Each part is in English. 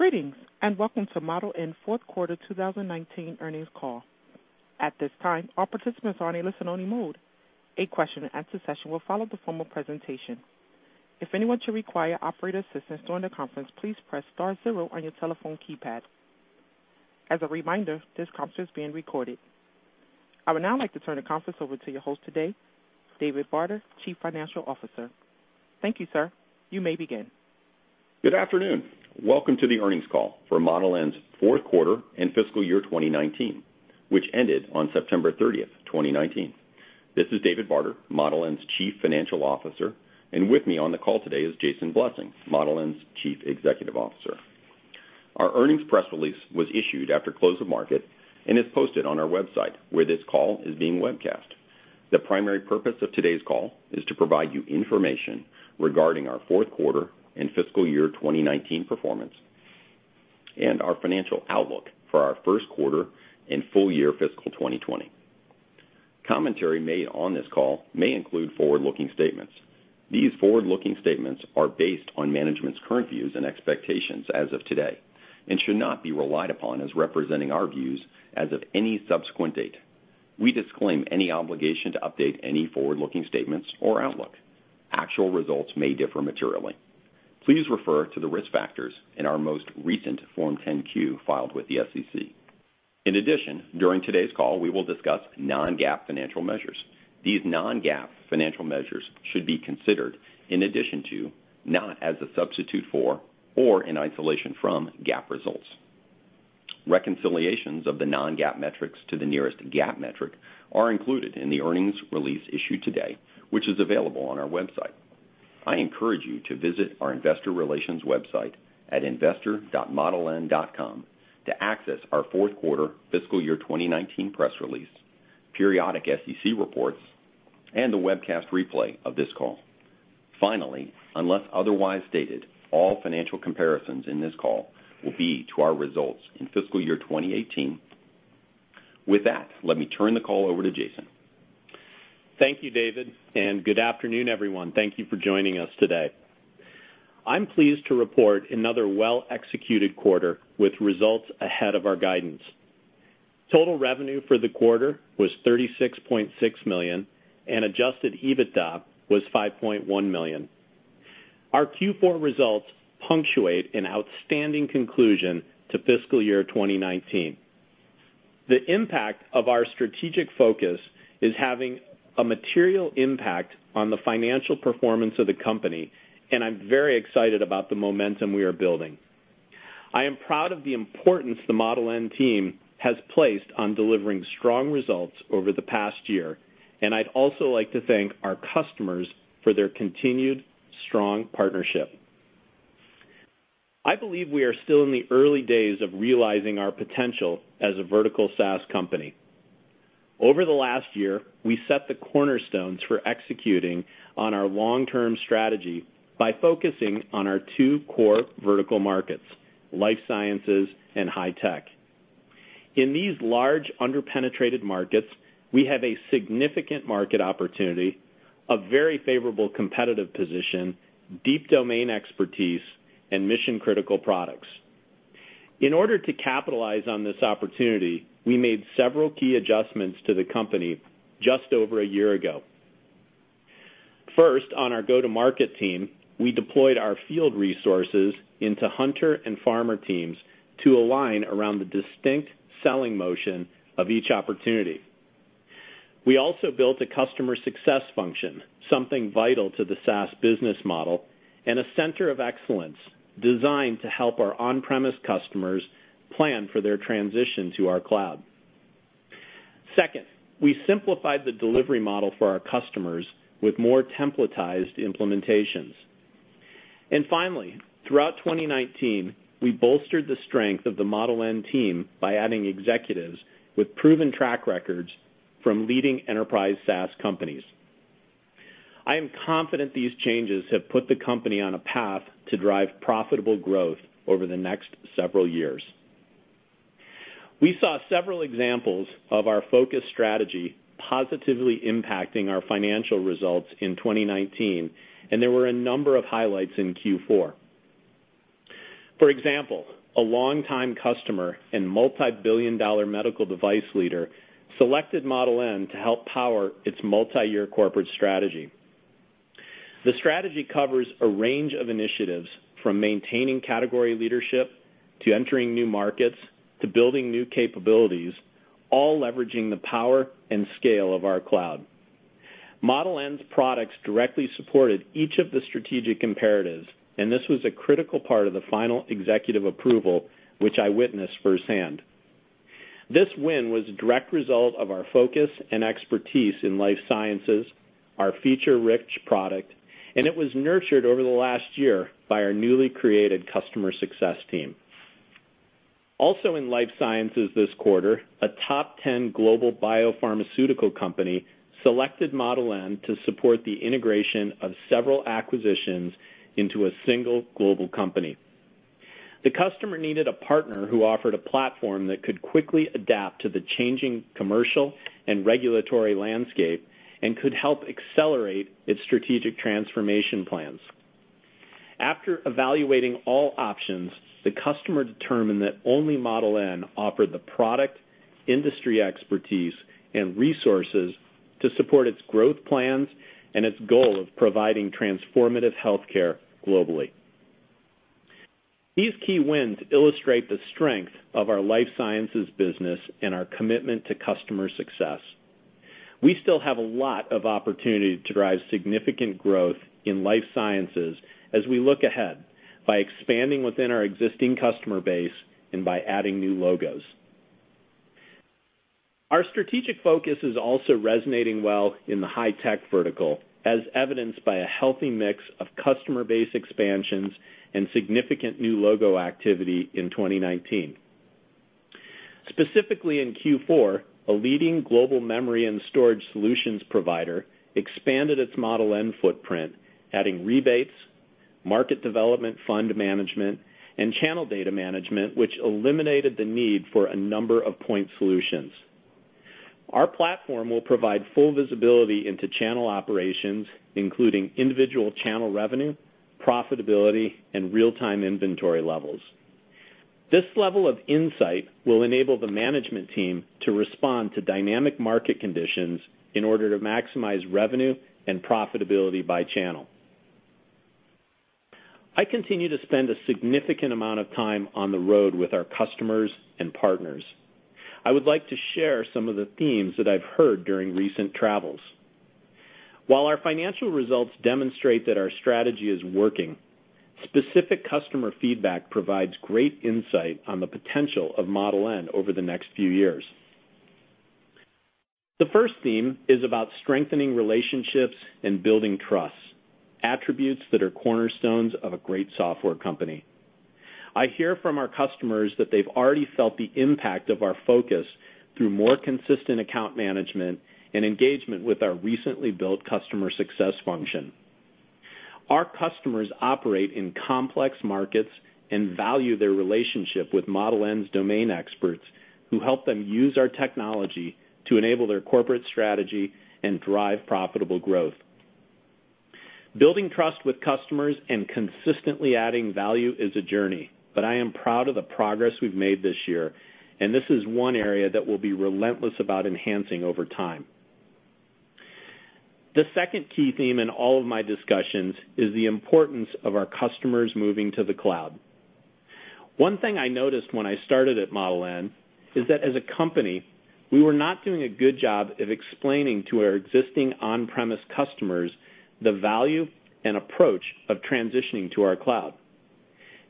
Greetings, and welcome to Model N fourth quarter 2019 earnings call. At this time, all participants are in listen-only mode. A question and answer session will follow the formal presentation. If anyone should require operator assistance during the conference, please press star zero on your telephone keypad. As a reminder, this conference is being recorded. I would now like to turn the conference over to your host today, David Barter, Chief Financial Officer. Thank you, sir. You may begin. Good afternoon. Welcome to the earnings call for Model N's fourth quarter and fiscal year 2019, which ended on September 30th, 2019. This is David Barter, Model N's Chief Financial Officer, and with me on the call today is Jason Blessing, Model N's Chief Executive Officer. Our earnings press release was issued after close of market and is posted on our website where this call is being webcast. The primary purpose of today's call is to provide you information regarding our fourth quarter and fiscal year 2019 performance and our financial outlook for our first quarter and full year fiscal 2020. Commentary made on this call may include forward-looking statements. These forward-looking statements are based on management's current views and expectations as of today and should not be relied upon as representing our views as of any subsequent date. We disclaim any obligation to update any forward-looking statements or outlook. Actual results may differ materially. Please refer to the risk factors in our most recent Form 10-Q filed with the SEC. In addition, during today's call, we will discuss non-GAAP financial measures. These non-GAAP financial measures should be considered in addition to, not as a substitute for, or in isolation from, GAAP results. Reconciliations of the non-GAAP metrics to the nearest GAAP metric are included in the earnings release issued today, which is available on our website. I encourage you to visit our investor relations website at investor.modeln.com to access our fourth quarter fiscal year 2019 press release, periodic SEC reports, and a webcast replay of this call. Finally, unless otherwise stated, all financial comparisons in this call will be to our results in fiscal year 2018. With that, let me turn the call over to Jason. Thank you, David, and good afternoon, everyone. Thank you for joining us today. I'm pleased to report another well-executed quarter with results ahead of our guidance. Total revenue for the quarter was $36.6 million, and adjusted EBITDA was $5.1 million. Our Q4 results punctuate an outstanding conclusion to fiscal year 2019. The impact of our strategic focus is having a material impact on the financial performance of the company, and I'm very excited about the momentum we are building. I am proud of the importance the Model N team has placed on delivering strong results over the past year, and I'd also like to thank our customers for their continued strong partnership. I believe we are still in the early days of realizing our potential as a vertical SaaS company. Over the last year, we set the cornerstones for executing on our long-term strategy by focusing on our two core vertical markets, life sciences and high tech. In these large, under-penetrated markets, we have a significant market opportunity, a very favorable competitive position, deep domain expertise, and mission-critical products. In order to capitalize on this opportunity, we made several key adjustments to the company just over a year ago. First, on our go-to-market team, we deployed our field resources into hunter and farmer teams to align around the distinct selling motion of each opportunity. We also built a customer success function, something vital to the SaaS business model, and a center of excellence designed to help our on-premise customers plan for their transition to our cloud. Second, we simplified the delivery model for our customers with more templatized implementations. Finally, throughout 2019, we bolstered the strength of the Model N team by adding executives with proven track records from leading enterprise SaaS companies. I am confident these changes have put the company on a path to drive profitable growth over the next several years. We saw several examples of our focus strategy positively impacting our financial results in 2019, and there were a number of highlights in Q4. For example, a longtime customer and multi-billion dollar medical device leader selected Model N to help power its multi-year corporate strategy. The strategy covers a range of initiatives from maintaining category leadership, to entering new markets, to building new capabilities, all leveraging the power and scale of our cloud. Model N's products directly supported each of the strategic imperatives, and this was a critical part of the final executive approval, which I witnessed firsthand. This win was a direct result of our focus and expertise in life sciences, our feature-rich product, and it was nurtured over the last year by our newly created customer success team. Also in life sciences this quarter, a top 10 global biopharmaceutical company selected Model N to support the integration of several acquisitions into a single global company. The customer needed a partner who offered a platform that could quickly adapt to the changing commercial and regulatory landscape and could help accelerate its strategic transformation plans. After evaluating all options, the customer determined that only Model N offered the product, industry expertise, and resources to support its growth plans and its goal of providing transformative healthcare globally. These key wins illustrate the strength of our life sciences business and our commitment to customer success. We still have a lot of opportunity to drive significant growth in life sciences as we look ahead, by expanding within our existing customer base and by adding new logos. Our strategic focus is also resonating well in the high-tech vertical, as evidenced by a healthy mix of customer base expansions and significant new logo activity in 2019. Specifically in Q4, a leading global memory and storage solutions provider expanded its Model N footprint, adding rebates, market development fund management, and channel data management, which eliminated the need for a number of point solutions. Our platform will provide full visibility into channel operations, including individual channel revenue, profitability, and real-time inventory levels. This level of insight will enable the management team to respond to dynamic market conditions in order to maximize revenue and profitability by channel. I continue to spend a significant amount of time on the road with our customers and partners. I would like to share some of the themes that I've heard during recent travels. While our financial results demonstrate that our strategy is working, specific customer feedback provides great insight on the potential of Model N over the next few years. The first theme is about strengthening relationships and building trust, attributes that are cornerstones of a great software company. I hear from our customers that they've already felt the impact of our focus through more consistent account management and engagement with our recently built customer success function. Our customers operate in complex markets and value their relationship with Model N's domain experts, who help them use our technology to enable their corporate strategy and drive profitable growth. Building trust with customers and consistently adding value is a journey, but I am proud of the progress we've made this year, and this is one area that we'll be relentless about enhancing over time. The second key theme in all of my discussions is the importance of our customers moving to the cloud. One thing I noticed when I started at Model N is that as a company, we were not doing a good job of explaining to our existing on-premise customers the value and approach of transitioning to our cloud.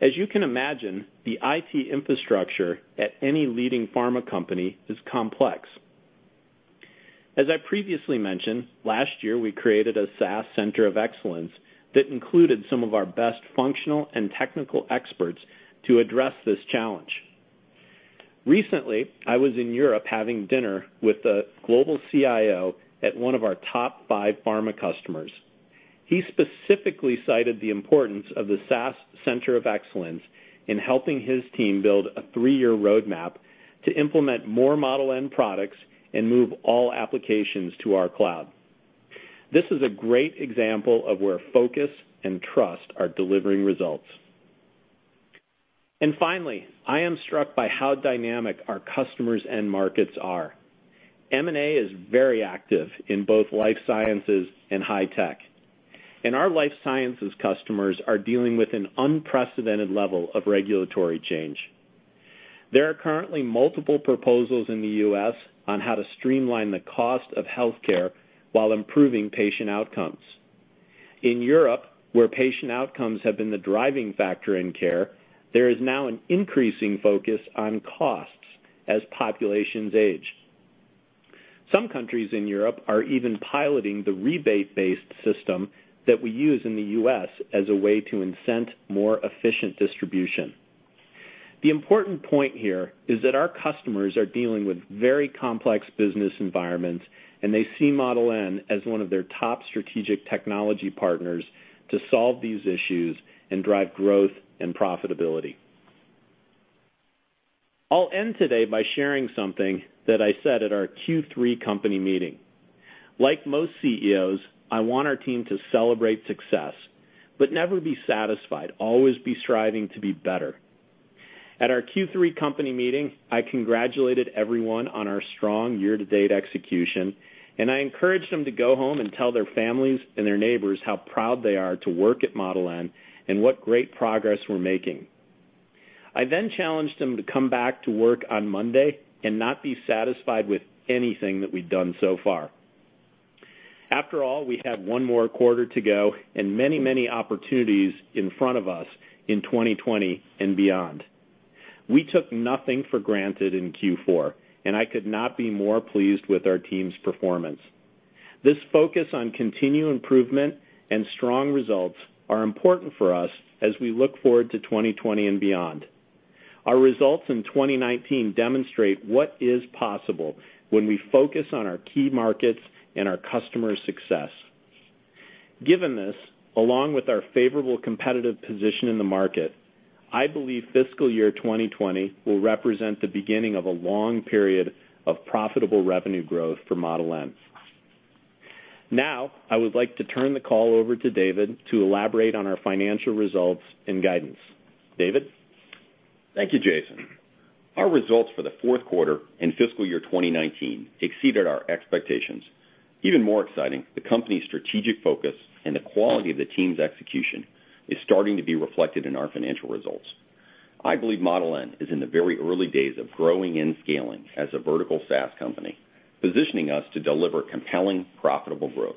As you can imagine, the IT infrastructure at any leading pharma company is complex. As I previously mentioned, last year, we created a SaaS Center of Excellence that included some of our best functional and technical experts to address this challenge. Recently, I was in Europe having dinner with the global CIO at one of our top five pharma customers. He specifically cited the importance of the SaaS Center of Excellence in helping his team build a three-year roadmap to implement more Model N products and move all applications to our cloud. This is a great example of where focus and trust are delivering results. Finally, I am struck by how dynamic our customers and markets are. M&A is very active in both life sciences and high tech. Our life sciences customers are dealing with an unprecedented level of regulatory change. There are currently multiple proposals in the U.S. on how to streamline the cost of healthcare while improving patient outcomes. In Europe, where patient outcomes have been the driving factor in care, there is now an increasing focus on costs as populations age. Some countries in Europe are even piloting the rebate-based system that we use in the U.S. as a way to incent more efficient distribution. The important point here is that our customers are dealing with very complex business environments, and they see Model N as one of their top strategic technology partners to solve these issues and drive growth and profitability. I'll end today by sharing something that I said at our Q3 company meeting. Like most CEOs, I want our team to celebrate success, but never be satisfied, always be striving to be better. At our Q3 company meeting, I congratulated everyone on our strong year-to-date execution, and I encouraged them to go home and tell their families and their neighbors how proud they are to work at Model N and what great progress we're making. I challenged them to come back to work on Monday and not be satisfied with anything that we'd done so far. After all, we have one more quarter to go and many opportunities in front of us in 2020 and beyond. We took nothing for granted in Q4, and I could not be more pleased with our team's performance. This focus on continued improvement and strong results are important for us as we look forward to 2020 and beyond. Our results in 2019 demonstrate what is possible when we focus on our key markets and our customers' success. Given this, along with our favorable competitive position in the market, I believe fiscal year 2020 will represent the beginning of a long period of profitable revenue growth for Model N. I would like to turn the call over to David to elaborate on our financial results and guidance. David? Thank you, Jason. Our results for the fourth quarter and fiscal year 2019 exceeded our expectations. Even more exciting, the company's strategic focus and the quality of the team's execution is starting to be reflected in our financial results. I believe Model N is in the very early days of growing and scaling as a vertical SaaS company, positioning us to deliver compelling, profitable growth.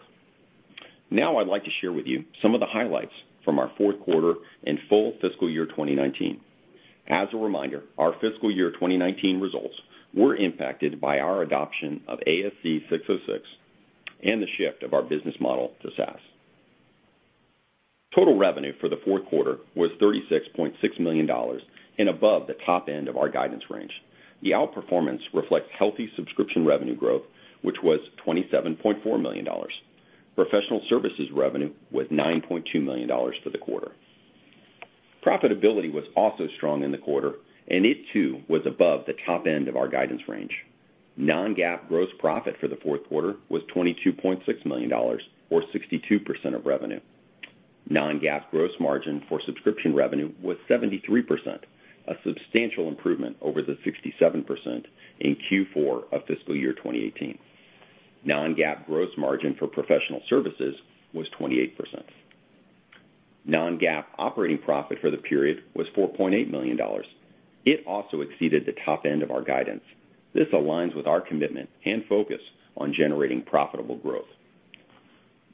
Now I'd like to share with you some of the highlights from our fourth quarter and full fiscal year 2019. As a reminder, our fiscal year 2019 results were impacted by our adoption of ASC 606 and the shift of our business model to SaaS. Total revenue for the fourth quarter was $36.6 million and above the top end of our guidance range. The outperformance reflects healthy subscription revenue growth, which was $27.4 million. Professional services revenue was $9.2 million for the quarter. Profitability was also strong in the quarter, and it too was above the top end of our guidance range. Non-GAAP gross profit for the fourth quarter was $22.6 million, or 62% of revenue. Non-GAAP gross margin for subscription revenue was 73%, a substantial improvement over the 67% in Q4 of fiscal year 2018. Non-GAAP gross margin for professional services was 28%. Non-GAAP operating profit for the period was $4.8 million. It also exceeded the top end of our guidance. This aligns with our commitment and focus on generating profitable growth.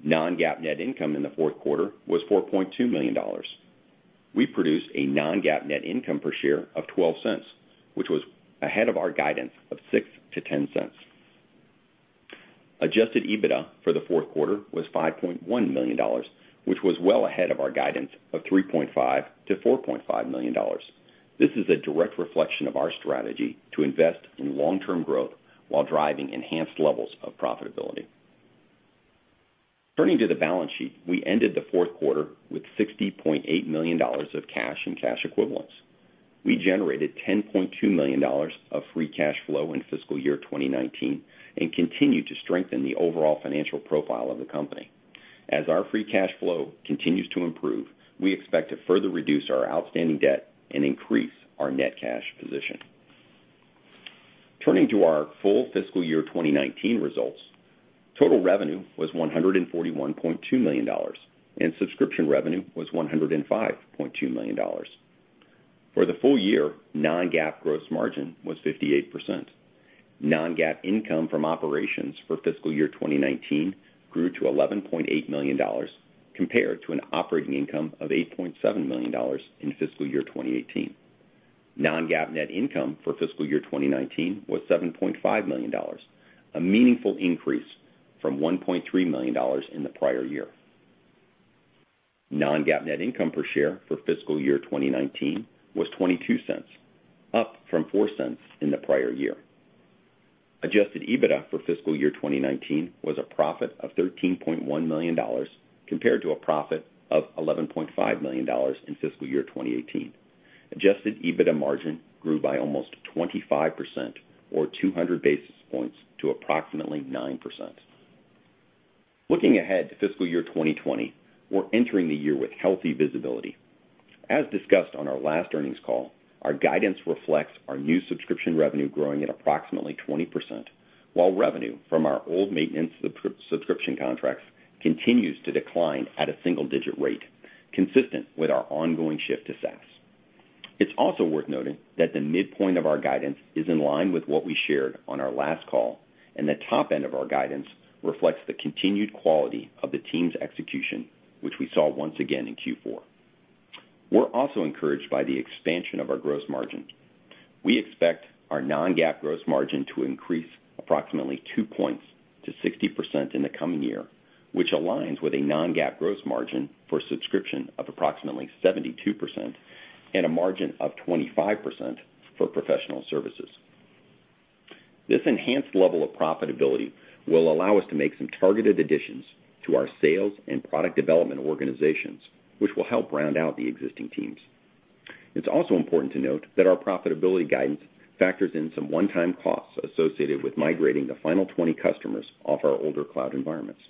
Non-GAAP net income in the fourth quarter was $4.2 million. We produced a non-GAAP net income per share of $0.12, which was ahead of our guidance of $0.06-$0.10. Adjusted EBITDA for the fourth quarter was $5.1 million, which was well ahead of our guidance of $3.5 million-$4.5 million. This is a direct reflection of our strategy to invest in long-term growth while driving enhanced levels of profitability. Turning to the balance sheet, we ended the fourth quarter with $60.8 million of cash and cash equivalents. We generated $10.2 million of free cash flow in fiscal year 2019 and continued to strengthen the overall financial profile of the company. As our free cash flow continues to improve, we expect to further reduce our outstanding debt and increase our net cash position. Turning to our full fiscal year 2019 results, total revenue was $141.2 million, and subscription revenue was $105.2 million. For the full year, non-GAAP gross margin was 58%. Non-GAAP income from operations for fiscal year 2019 grew to $11.8 million, compared to an operating income of $8.7 million in fiscal year 2018. Non-GAAP net income for fiscal year 2019 was $7.5 million, a meaningful increase from $1.3 million in the prior year. Non-GAAP net income per share for fiscal year 2019 was $0.22, up from $0.04 in the prior year. Adjusted EBITDA for fiscal year 2019 was a profit of $13.1 million, compared to a profit of $11.5 million in fiscal year 2018. Adjusted EBITDA margin grew by almost 25%, or 200 basis points, to approximately 9%. Looking ahead to fiscal year 2020, we're entering the year with healthy visibility. As discussed on our last earnings call, our guidance reflects our new subscription revenue growing at approximately 20%, while revenue from our old maintenance subscription contracts continues to decline at a single-digit rate, consistent with our ongoing shift to SaaS. It's also worth noting that the midpoint of our guidance is in line with what we shared on our last call, and the top end of our guidance reflects the continued quality of the team's execution, which we saw once again in Q4. We're also encouraged by the expansion of our gross margin. We expect our non-GAAP gross margin to increase approximately two points to 60% in the coming year, which aligns with a non-GAAP gross margin for subscription of approximately 72% and a margin of 25% for professional services. This enhanced level of profitability will allow us to make some targeted additions to our sales and product development organizations, which will help round out the existing teams. It's also important to note that our profitability guidance factors in some one-time costs associated with migrating the final 20 customers off our older cloud environments.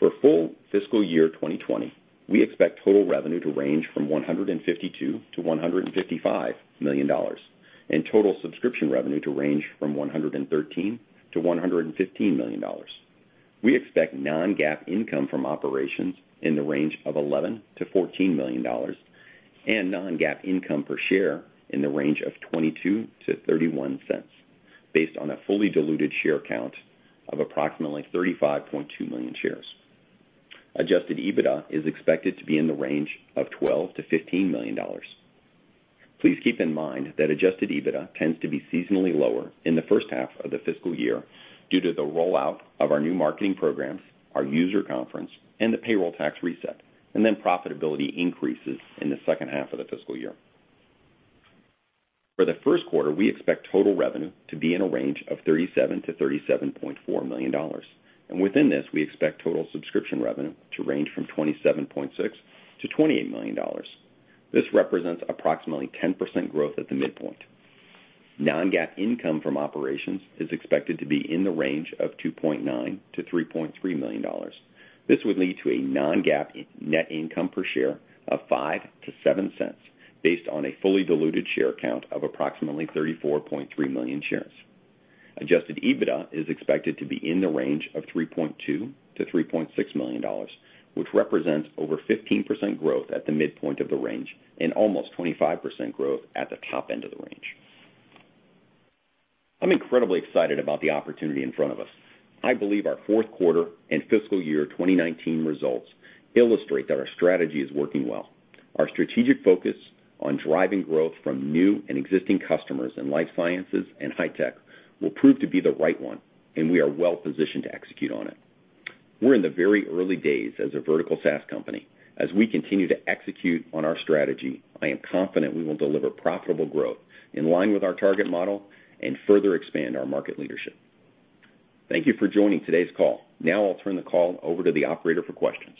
For full fiscal year 2020, we expect total revenue to range from $152 million-$155 million, and total subscription revenue to range from $113 million-$115 million. We expect non-GAAP income from operations in the range of $11 million-$14 million, and non-GAAP income per share in the range of $0.22-$0.31, based on a fully diluted share count of approximately 35.2 million shares. Adjusted EBITDA is expected to be in the range of $12 million-$15 million. Please keep in mind that adjusted EBITDA tends to be seasonally lower in the first half of the fiscal year due to the rollout of our new marketing programs, our user conference, and the payroll tax reset, and then profitability increases in the second half of the fiscal year. For the first quarter, we expect total revenue to be in a range of $37 million-$37.4 million. Within this, we expect total subscription revenue to range from $27.6 million-$28 million. This represents approximately 10% growth at the midpoint. Non-GAAP income from operations is expected to be in the range of $2.9 million-$3.3 million. This would lead to a non-GAAP net income per share of $0.05-$0.07 based on a fully diluted share count of approximately 34.3 million shares. Adjusted EBITDA is expected to be in the range of $3.2 million-$3.6 million, which represents over 15% growth at the midpoint of the range and almost 25% growth at the top end of the range. I'm incredibly excited about the opportunity in front of us. I believe our fourth quarter and fiscal year 2019 results illustrate that our strategy is working well. Our strategic focus on driving growth from new and existing customers in life sciences and high-tech will prove to be the right one, and we are well-positioned to execute on it. We're in the very early days as a vertical SaaS company. As we continue to execute on our strategy, I am confident we will deliver profitable growth in line with our target model and further expand our market leadership. Thank you for joining today's call. Now I'll turn the call over to the operator for questions.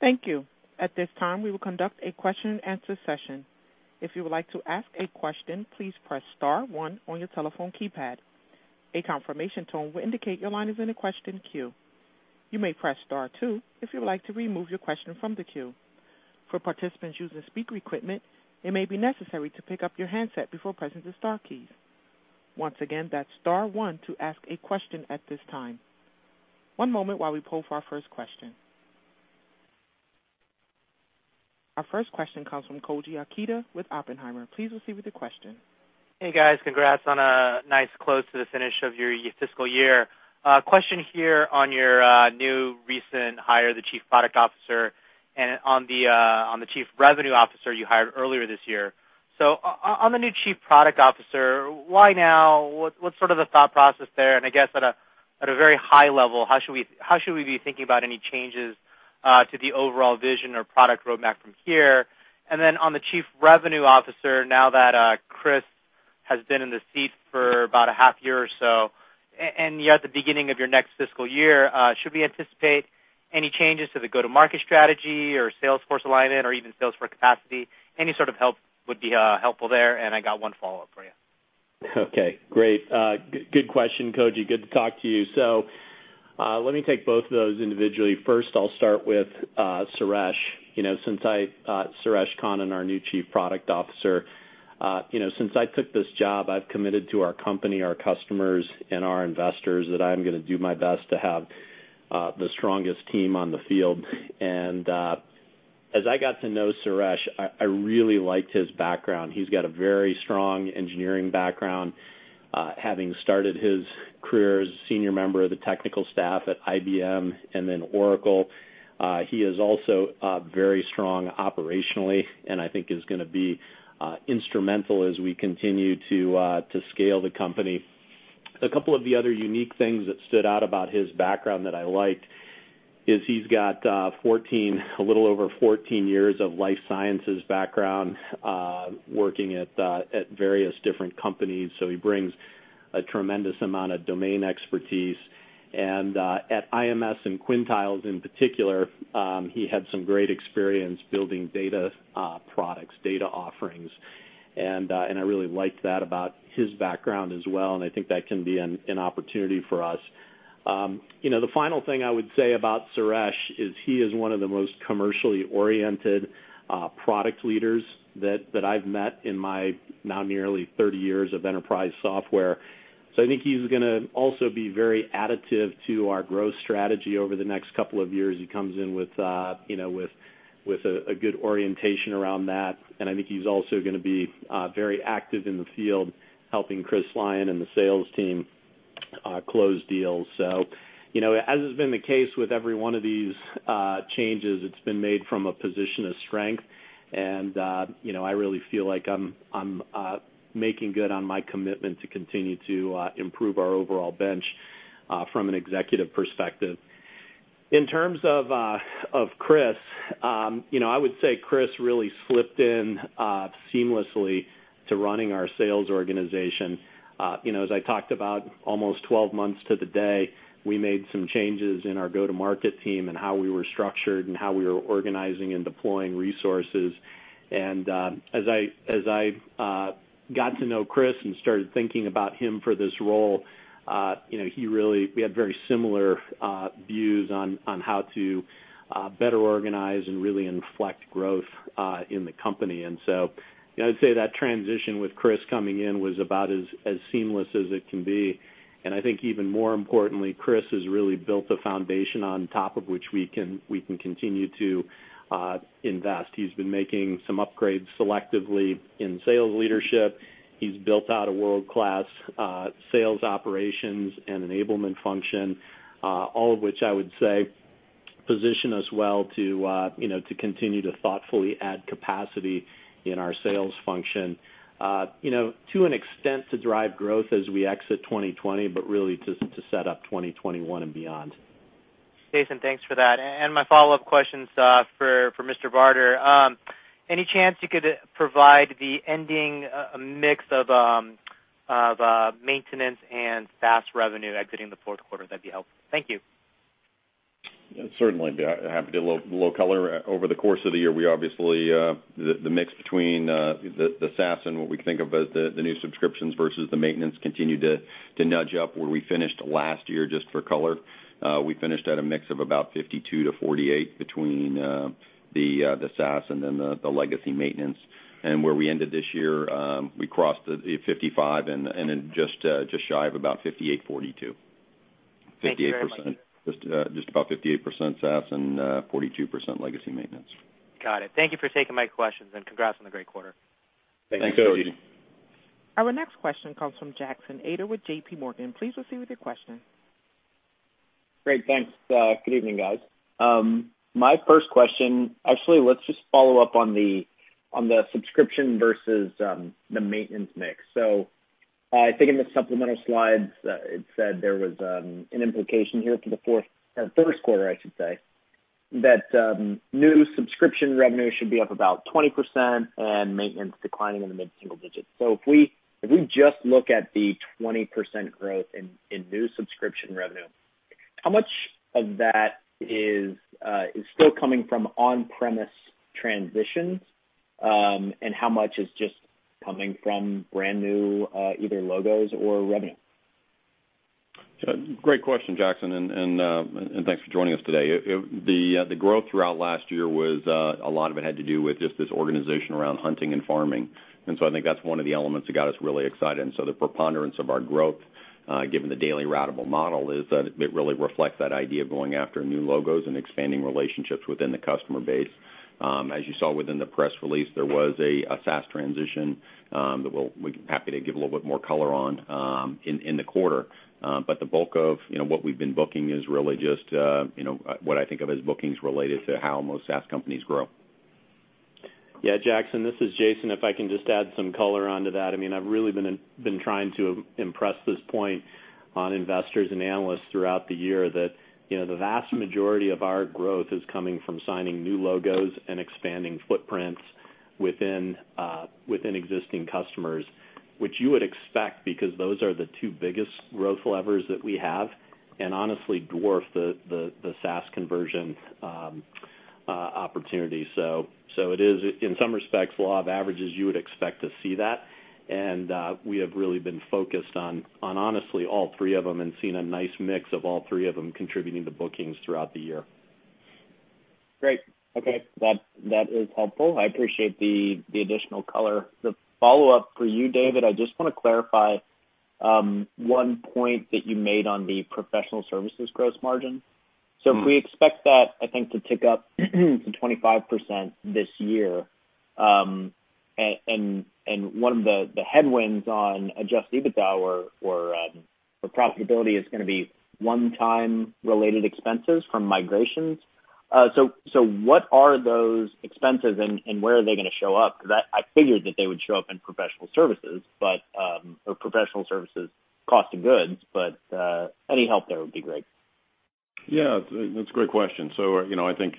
Thank you. At this time, we will conduct a question and answer session. If you would like to ask a question, please press star one on your telephone keypad. A confirmation tone will indicate your line is in the question queue. You may press star two if you would like to remove your question from the queue. For participants using speaker equipment, it may be necessary to pick up your handset before pressing the star keys. Once again, that's star one to ask a question at this time. One moment while we poll for our first question. Our first question comes from Koji Ikeda with Oppenheimer. Please proceed with your question. Hey, guys. Congrats on a nice close to the finish of your fiscal year. A question here on your new recent hire, the chief product officer, and on the chief revenue officer you hired earlier this year. On the new chief product officer, why now? What's the thought process there, and I guess at a very high level, how should we be thinking about any changes to the overall vision or product roadmap from here? On the chief revenue officer, now that Chris has been in the seat for about a half year or so, and you're at the beginning of your next fiscal year, should we anticipate any changes to the go-to-market strategy or sales force alignment or even sales force capacity? Any sort of help would be helpful there, and I got one follow-up for you. Okay, great. Good question, Koji. Good to talk to you. Let me take both of those individually. First, I'll start with Suresh Kannan, our new Chief Product Officer. Since I took this job, I've committed to our company, our customers, and our investors that I am going to do my best to have the strongest team on the field. As I got to know Suresh, I really liked his background. He's got a very strong engineering background, having started his career as a senior member of the technical staff at IBM and then Oracle. He is also very strong operationally and I think is going to be instrumental as we continue to scale the company. A couple of the other unique things that stood out about his background that I liked is he's got a little over 14 years of life sciences background, working at various different companies. He brings a tremendous amount of domain expertise. At IMS and Quintiles in particular, he had some great experience building data products, data offerings, and I really liked that about his background as well, and I think that can be an opportunity for us. The final thing I would say about Suresh is he is one of the most commercially oriented product leaders that I've met in my now nearly 30 years of enterprise software. I think he's going to also be very additive to our growth strategy over the next couple of years. He comes in with a good orientation around that, and I think he's also going to be very active in the field helping Chris Lyon and the sales team close deals. As has been the case with every one of these changes, it's been made from a position of strength, and I really feel like I'm making good on my commitment to continue to improve our overall bench from an executive perspective. In terms of Chris, I would say Chris really slipped in seamlessly to running our sales organization. As I talked about almost 12 months to the day, we made some changes in our go-to-market team and how we were structured and how we were organizing and deploying resources. As I got to know Chris and started thinking about him for this role, we had very similar views on how to better organize and really inflect growth in the company. I'd say that transition with Chris coming in was about as seamless as it can be. I think even more importantly, Chris has really built the foundation on top of which we can continue to invest. He's been making some upgrades selectively in sales leadership. He's built out a world-class sales operations and enablement function, all of which I would say position us well to continue to thoughtfully add capacity in our sales function, to an extent to drive growth as we exit 2020, but really to set up 2021 and beyond. Jason, thanks for that. My follow-up question's for Mr. Barter. Any chance you could provide the ending mix of maintenance and SaaS revenue exiting the fourth quarter? That'd be helpful. Thank you. Certainly. Happy to give a little color. Over the course of the year, obviously, the mix between the SaaS and what we think of as the new subscriptions versus the maintenance continued to nudge up where we finished last year, just for color. We finished at a mix of about 52 to 48 between the SaaS and then the legacy maintenance. Where we ended this year, we crossed at 55 and then just shy of about 58/42. Thank you very much. Just about 58% SaaS and 42% legacy maintenance. Got it. Thank you for taking my questions, and congrats on the great quarter. Thanks, Koji. Our next question comes from Jackson Ader with JP Morgan. Please proceed with your question. Great. Thanks. Good evening, guys. My first question, actually, let's just follow up on the subscription versus the maintenance mix. I think in the supplemental slides, it said there was an implication here for the first quarter, that new subscription revenue should be up about 20% and maintenance declining in the mid-single digits. If we just look at the 20% growth in new subscription revenue, how much of that is still coming from on-premise transitions? How much is just coming from brand new, either logos or revenue? Great question, Jackson. Thanks for joining us today. The growth throughout last year, a lot of it had to do with just this organization around hunting and farming. I think that's one of the elements that got us really excited. The preponderance of our growth, given the daily ratable model, is that it really reflects that idea of going after new logos and expanding relationships within the customer base. As you saw within the press release, there was a SaaS transition that we'd be happy to give a little bit more color on in the quarter. The bulk of what we've been booking is really just what I think of as bookings related to how most SaaS companies grow. Yeah, Jackson. This is Jason. If I can just add some color onto that. I've really been trying to impress this point on investors and analysts throughout the year that the vast majority of our growth is coming from signing new logos and expanding footprints within existing customers, which you would expect because those are the two biggest growth levers that we have, and honestly dwarf the SaaS conversion opportunity. It is, in some respects, law of averages, you would expect to see that, and we have really been focused on, honestly, all three of them and seen a nice mix of all three of them contributing to bookings throughout the year. Great. Okay. That is helpful. I appreciate the additional color. The follow-up for you, David, I just want to clarify one point that you made on the professional services gross margin. If we expect that, I think, to tick up to 25% this year, and one of the headwinds on adjusted EBITDA or profitability is going to be one-time related expenses from migrations. What are those expenses and where are they going to show up? Because I figured that they would show up in professional services or professional services cost of goods, but any help there would be great. Yeah, that's a great question. I think,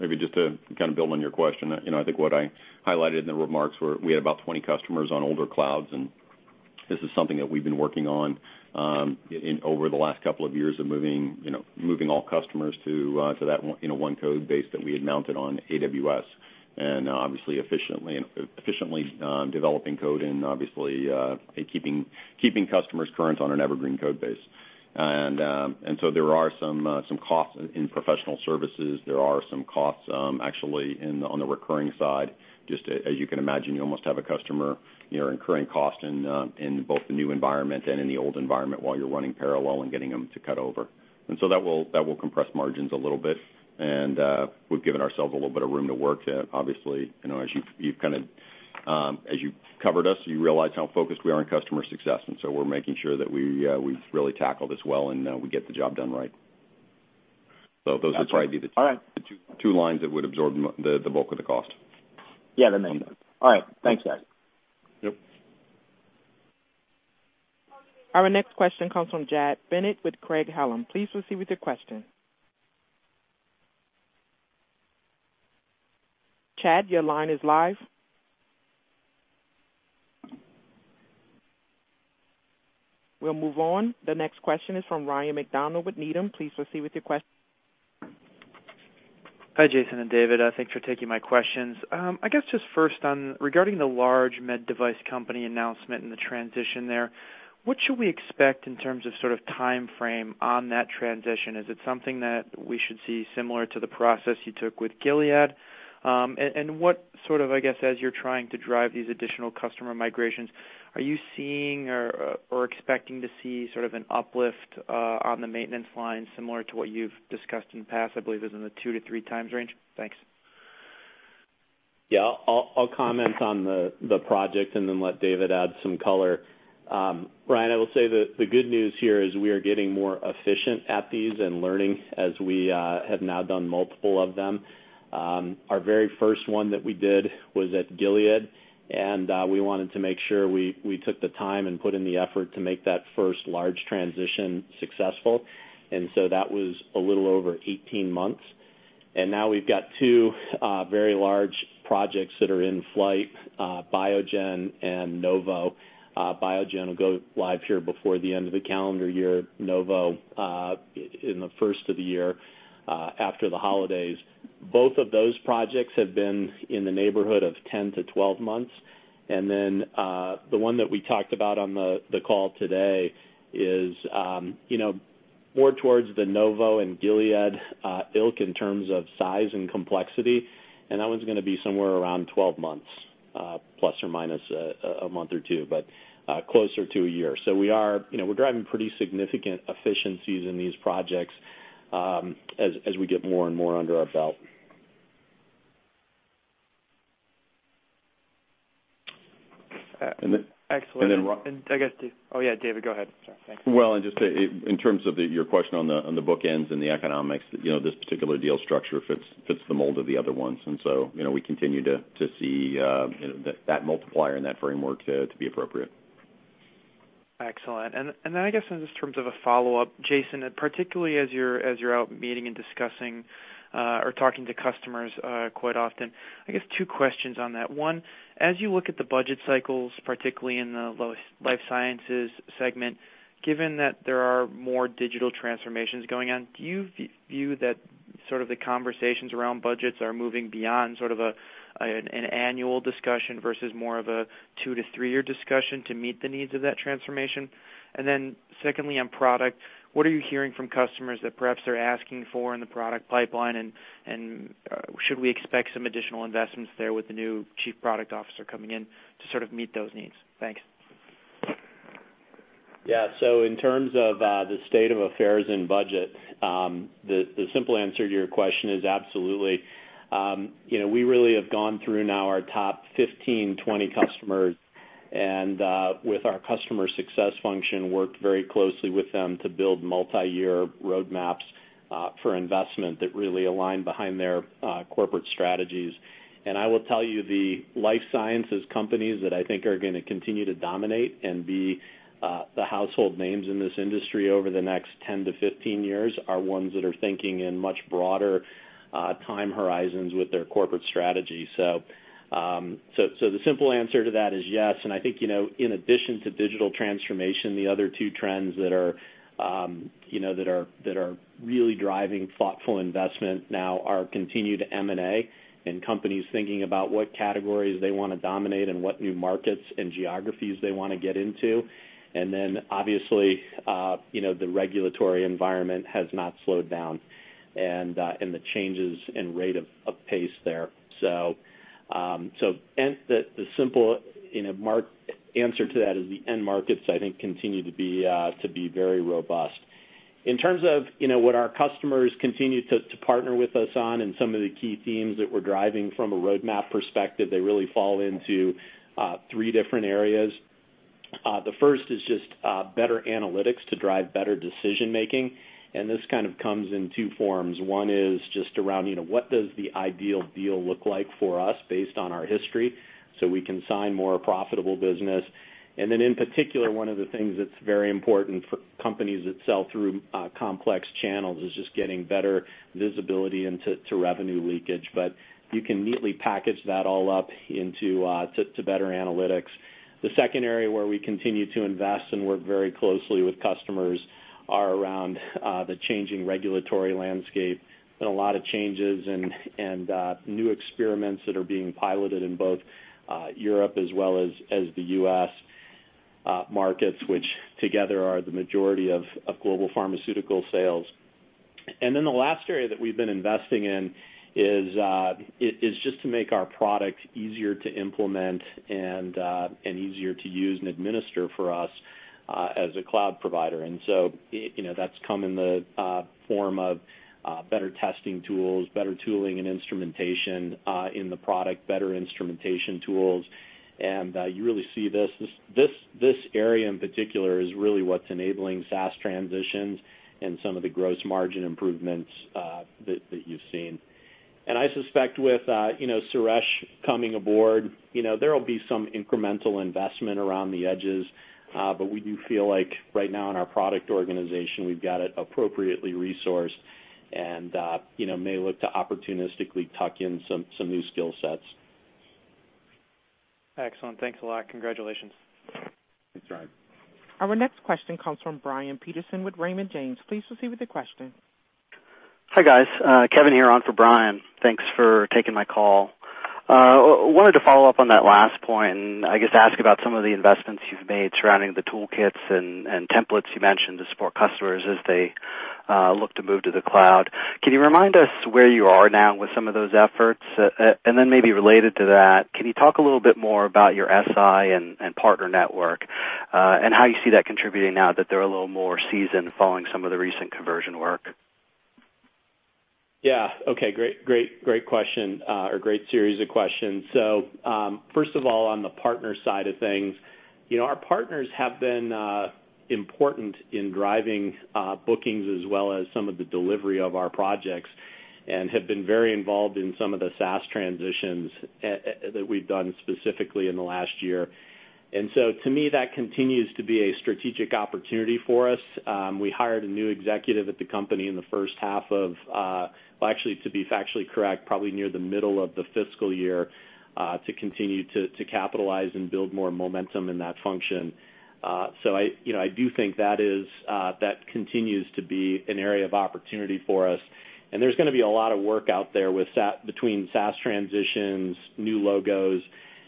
maybe just to build on your question, I think what I highlighted in the remarks were we had about 20 customers on older clouds, and this is something that we've been working on over the last couple of years of moving all customers to that one code base that we had mounted on AWS, and obviously efficiently developing code and obviously keeping customers current on an evergreen code base. There are some costs in professional services. There are some costs actually on the recurring side, just as you can imagine, you almost have a customer, you're incurring cost in both the new environment and in the old environment while you're running parallel and getting them to cut over. That will compress margins a little bit. We've given ourselves a little bit of room to work. Obviously, as you've covered us, you realize how focused we are on customer success. We're making sure that we really tackle this well and we get the job done right. All right. the two lines that would absorb the bulk of the cost. Yeah, that makes sense. All right. Thanks, guys. Yep. Our next question comes from Chad Bennett with Craig-Hallum. Please proceed with your question. Chad, your line is live. We will move on. The next question is from Ryan MacDonald with Needham. Please proceed with your question. Hi, Jason and David. Thanks for taking my questions. First regarding the large med device company announcement and the transition there, what should we expect in terms of timeframe on that transition? Is it something that we should see similar to the process you took with Gilead? What as you're trying to drive these additional customer migrations, are you seeing or expecting to see an uplift on the maintenance line similar to what you've discussed in the past? I believe it was in the two to three times range. Thanks. I'll comment on the project and then let David add some color. Ryan, I will say that the good news here is we are getting more efficient at these and learning as we have now done multiple of them. Our very first one that we did was at Gilead, and we wanted to make sure we took the time and put in the effort to make that first large transition successful. That was a little over 18 months. Now we've got two very large projects that are in flight, Biogen and Novo. Biogen will go live here before the end of the calendar year, Novo in the first of the year, after the holidays. Both of those projects have been in the neighborhood of 10-12 months. The one that we talked about on the call today is more towards the Novo and Gilead ilk in terms of size and complexity. That one's going to be somewhere around 12 months, ± a month or two, but closer to a year. We're driving pretty significant efficiencies in these projects as we get more and more under our belt. Excellent. Ryan. I guess David, go ahead, sorry. Thanks. Well, just to, in terms of your question on the bookends and the economics, this particular deal structure fits the mold of the other ones. So, we continue to see that multiplier and that framework to be appropriate. Excellent. I guess in just in terms of a follow-up, Jason, particularly as you're out meeting and discussing, or talking to customers quite often, I guess two questions on that. One, as you look at the budget cycles, particularly in the life sciences segment, given that there are more digital transformations going on, do you view that sort of the conversations around budgets are moving beyond sort of an annual discussion versus more of a two to three-year discussion to meet the needs of that transformation? Secondly, on product, what are you hearing from customers that perhaps they're asking for in the product pipeline? Should we expect some additional investments there with the new Chief Product Officer coming in to sort of meet those needs? Thanks. In terms of the state of affairs in budget, the simple answer to your question is absolutely. We really have gone through now our top 15, 20 customers, with our customer success function, worked very closely with them to build multi-year roadmaps for investment that really align behind their corporate strategies. I will tell you, the life sciences companies that I think are going to continue to dominate and be the household names in this industry over the next 10 to 15 years, are ones that are thinking in much broader time horizons with their corporate strategy. The simple answer to that is yes. I think, in addition to digital transformation, the other two trends that are really driving thoughtful investment now are continued M&A and companies thinking about what categories they want to dominate and what new markets and geographies they want to get into. Then obviously, the regulatory environment has not slowed down, and the changes in rate of pace there. The simple answer to that is the end markets, I think, continue to be very robust. In terms of what our customers continue to partner with us on and some of the key themes that we're driving from a roadmap perspective, they really fall into three different areas. The first is just better analytics to drive better decision-making. This kind of comes in two forms. One is just around what does the ideal deal look like for us based on our history, we can sign more profitable business. In particular, one of the things that's very important for companies that sell through complex channels is just getting better visibility into revenue leakage. You can neatly package that all up into better analytics. The second area where we continue to invest and work very closely with customers are around the changing regulatory landscape. Been a lot of changes and new experiments that are being piloted in both Europe as well as the U.S. markets, which together are the majority of global pharmaceutical sales. The last area that we've been investing in is just to make our product easier to implement and easier to use and administer for us, as a cloud provider. That's come in the form of better testing tools, better tooling and instrumentation in the product, better instrumentation tools. You really see this area in particular is really what's enabling SaaS transitions and some of the gross margin improvements that you've seen. I suspect with Suresh coming aboard, there'll be some incremental investment around the edges. We do feel like right now in our product organization, we've got it appropriately resourced and may look to opportunistically tuck in some new skill sets. Excellent. Thanks a lot. Congratulations. Thanks, Ryan. Our next question comes from Brian Peterson with Raymond James. Please proceed with your question. Hi, guys. Kevin here on for Brian. Thanks for taking my call. Wanted to follow up on that last point and I guess ask about some of the investments you've made surrounding the toolkits and templates you mentioned to support customers as they look to move to the cloud. Can you remind us where you are now with some of those efforts? Maybe related to that, can you talk a little bit more about your SI and partner network, and how you see that contributing now that they're a little more seasoned following some of the recent conversion work? Yeah. Okay. Great question, or great series of questions. First of all, on the partner side of things, our partners have been important in driving bookings as well as some of the delivery of our projects, and have been very involved in some of the SaaS transitions that we've done specifically in the last year. To me, that continues to be a strategic opportunity for us. We hired a new executive at the company in the first half of Well, actually, to be factually correct, probably near the middle of the fiscal year, to continue to capitalize and build more momentum in that function. I do think that continues to be an area of opportunity for us, and there's going to be a lot of work out there between SaaS transitions, new logos,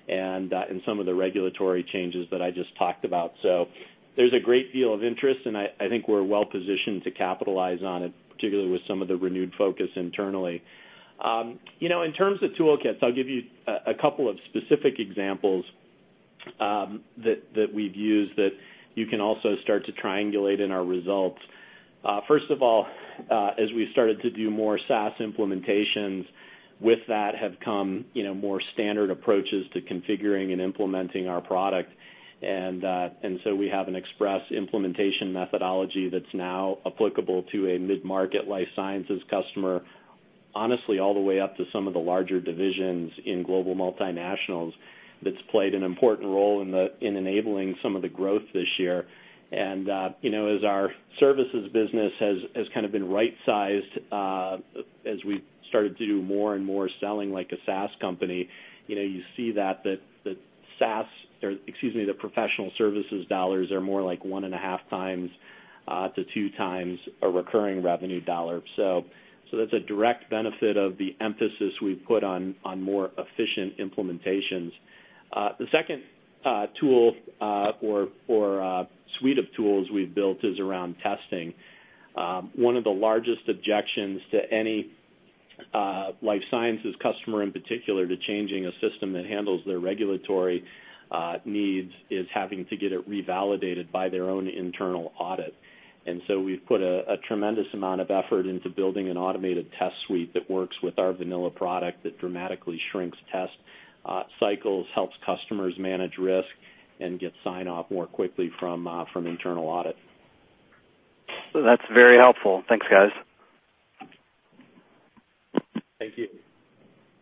and some of the regulatory changes that I just talked about. There's a great deal of interest, and I think we're well-positioned to capitalize on it, particularly with some of the renewed focus internally. In terms of toolkits, I'll give you a couple of specific examples that we've used that you can also start to triangulate in our results. First of all, as we started to do more SaaS implementations, with that have come more standard approaches to configuring and implementing our product. We have an express implementation methodology that's now applicable to a mid-market life sciences customer, honestly, all the way up to some of the larger divisions in global multinationals. That's played an important role in enabling some of the growth this year. As our services business has kind of been right-sized, as we've started to do more and more selling like a SaaS company, you see that the SaaS the professional services are more like 1.5 times to 2 times a recurring revenue $. That's a direct benefit of the emphasis we've put on more efficient implementations. The second tool or suite of tools we've built is around testing. One of the largest objections to any life sciences customer, in particular, to changing a system that handles their regulatory needs, is having to get it revalidated by their own internal audit. We've put a tremendous amount of effort into building an automated test suite that works with our vanilla product that dramatically shrinks test cycles, helps customers manage risk, and get sign-off more quickly from internal audit. That's very helpful. Thanks, guys. Thank you.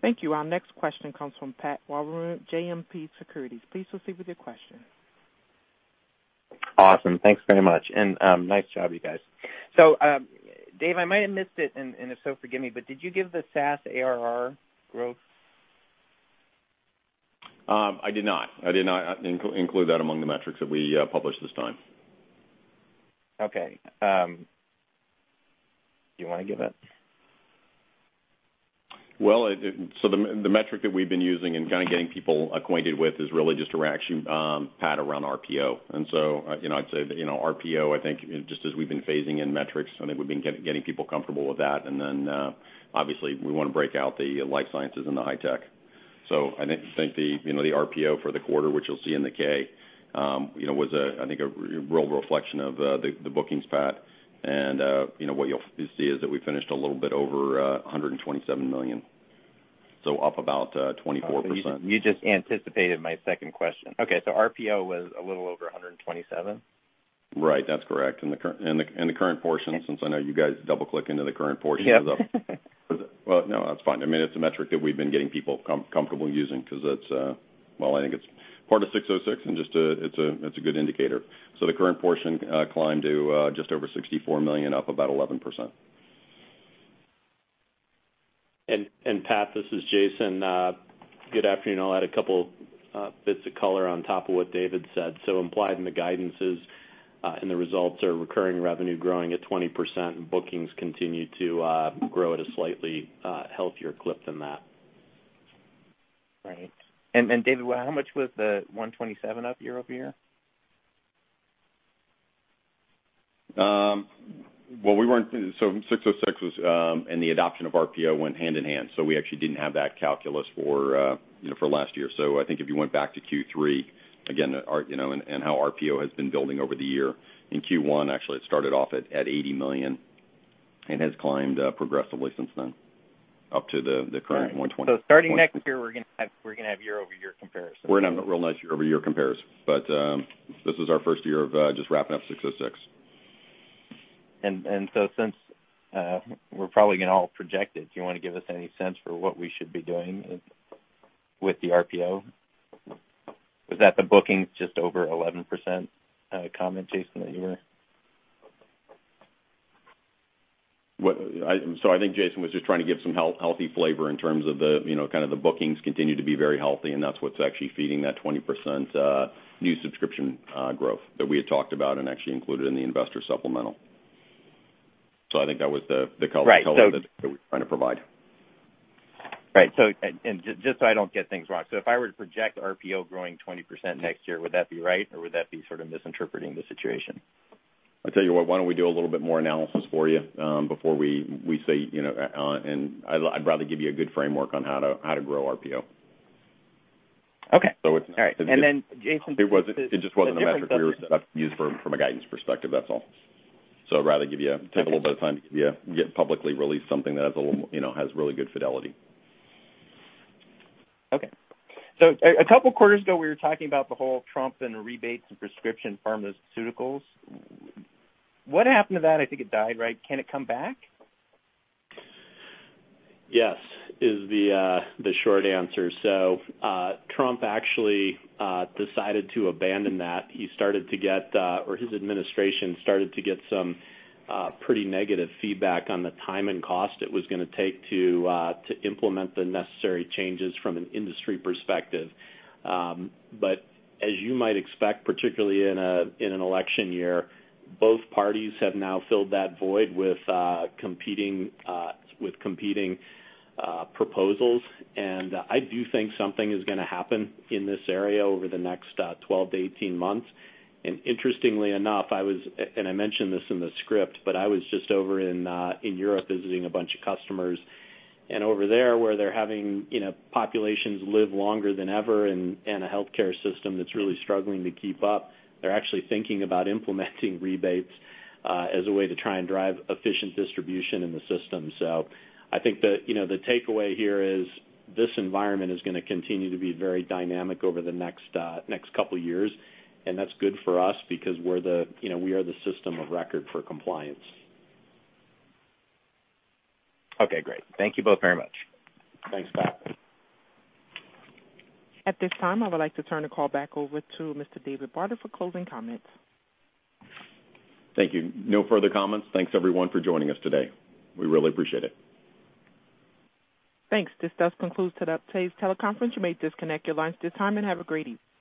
Thank you. Our next question comes from Pat Walravens, JMP Securities. Please proceed with your question. Awesome. Thanks very much. Nice job, you guys. Dave, I might have missed it, and if so, forgive me, did you give the SaaS ARR growth? I did not. I did not include that among the metrics that we published this time. Okay. Do you want to give it? The metric that we've been using and kind of getting people acquainted with is really just around RPO. I'd say that RPO, I think just as we've been phasing in metrics, I think we've been getting people comfortable with that. Obviously we want to break out the life sciences and the high tech. I think the RPO for the quarter, which you'll see in the K, was, I think, a real reflection of the bookings, Pat. What you'll see is that we finished a little bit over $127 million, so up about 24%. You just anticipated my second question. Okay, RPO was a little over $127? Right. That's correct. In the current portion, since I know you guys double-click into the current portion. Yeah. Well, no, that's fine. It's a metric that we've been getting people comfortable using because it's Well, I think it's part of 606 and it's a good indicator. The current portion climbed to just over $64 million, up about 11%. Pat, this is Jason. Good afternoon. I'll add a couple bits of color on top of what David said. Implied in the guidance is, and the results are recurring revenue growing at 20%, and bookings continue to grow at a slightly healthier clip than that. Right. David, how much was the 127 up year-over-year? 606 and the adoption of RPO went hand in hand. We actually didn't have that calculus for last year. I think if you went back to Q3, again, and how RPO has been building over the year, in Q1, actually, it started off at $80 million and has climbed up progressively since then, up to the current $120 million. Starting next year, we're going to have year-over-year comparison. We're going to have a real nice year-over-year comparison. This is our first year of just wrapping up 606. Since we're probably going to all project it, do you want to give us any sense for what we should be doing with the RPO? Was that the bookings just over 11% comment, Jason, that you were? I think Jason was just trying to give some healthy flavor in terms of the bookings continue to be very healthy, and that's what's actually feeding that 20% new subscription growth that we had talked about and actually included in the investor supplemental. I think that was the color. Right. that we were trying to provide. Right. Just so I don't get things wrong, so if I were to project RPO growing 20% next year, would that be right, or would that be sort of misinterpreting the situation? I tell you what, why don't we do a little bit more analysis for you before we say. I'd rather give you a good framework on how to grow RPO. Okay. All right. Jason. It just wasn't a metric that I've used from a guidance perspective, that's all. I'd rather take a little bit of time to publicly release something that has really good fidelity. Okay. A couple quarters ago, we were talking about the whole Trump and rebates and prescription pharmaceuticals. What happened to that? I think it died, right? Can it come back? Yes, is the short answer. Trump actually decided to abandon that. He started to get, or his administration started to get some pretty negative feedback on the time and cost it was going to take to implement the necessary changes from an industry perspective. As you might expect, particularly in an election year, both parties have now filled that void with competing proposals. I do think something is going to happen in this area over the next 12 to 18 months. Interestingly enough, and I mentioned this in the script, but I was just over in Europe visiting a bunch of customers, and over there where they're having populations live longer than ever and a healthcare system that's really struggling to keep up, they're actually thinking about implementing rebates as a way to try and drive efficient distribution in the system. I think that the takeaway here is this environment is going to continue to be very dynamic over the next couple of years, and that's good for us because we are the system of record for compliance. Okay, great. Thank you both very much. Thanks, Pat. At this time, I would like to turn the call back over to Mr. David Barter for closing comments. Thank you. No further comments. Thanks, everyone, for joining us today. We really appreciate it. Thanks. This does conclude today's teleconference. You may disconnect your lines at this time, and have a great evening.